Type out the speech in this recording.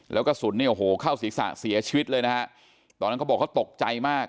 แล้วกระสุนเข้าศีรษะเสียชวีร์เลยตอนนั้นเขาก็บอกเขาตกใจมาก